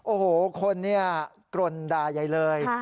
โอ้โหคนเนี่ยกรนด่าใหญ่เลย